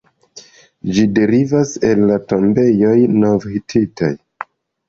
Ĝi derivas el tombejoj nov-hititaj.